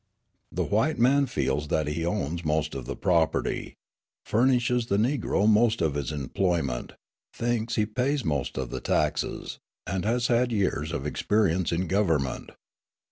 The white man feels that he owns most of the property, furnishes the Negro most of his employment, thinks he pays most of the taxes, and has had years of experience in government.